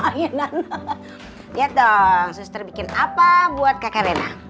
lihat dong suster bikin apa buat kakak rena